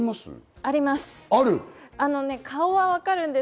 あります。